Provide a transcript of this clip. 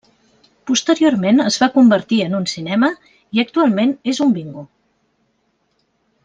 Posteriorment es va convertir en un cinema i actualment és un bingo.